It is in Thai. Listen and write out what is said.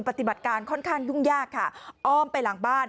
ปฏิบัติการค่อนข้างยุ่งยากค่ะอ้อมไปหลังบ้าน